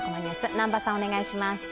南波さん、お願いします。